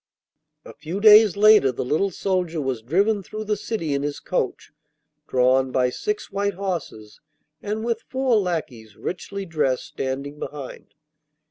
A few days later the little soldier was driven through the city in his coach drawn by six white horses, and with four lacqueys richly dressed standing behind.